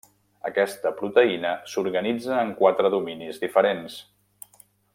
Aquesta proteïna s'organitza en quatre dominis diferents.